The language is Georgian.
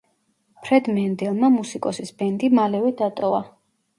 ფრედ მენდელმა მუსიკოსის ბენდი მალევე დატოვა.